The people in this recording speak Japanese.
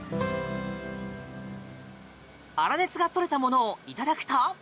粗熱が取れたものをいただくと。